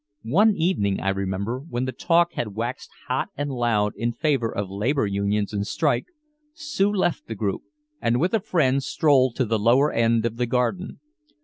One evening, I remember, when the talk had waxed hot and loud in favor of labor unions and strikes, Sue left the group and with a friend strolled to the lower end of the garden.